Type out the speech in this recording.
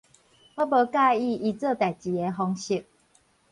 我無佮意伊做代誌的方式